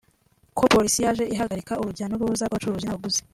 ko polisi yaje ihagarika urujya n’uruza rw’abacuruzi n’abaguzi